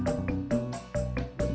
kamu sama amin